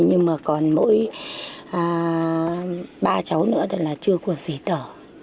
nhưng mà còn mỗi ba cháu nữa là chưa có giấy tờ